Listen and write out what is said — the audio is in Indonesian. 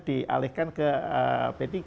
dialihkan ke p tiga